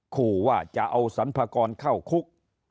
ขู่ว่าจะเอาสรรพากรเข้าคุก